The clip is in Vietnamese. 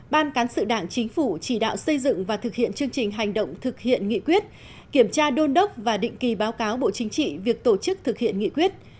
một ban cán sự đảng chính phủ chỉ đạo xây dựng và thực hiện chương trình hành động thực hiện nghị quyết kiểm tra đôn đốc và định kỳ báo cáo bộ chính trị việc tổ chức thực hiện nghị quyết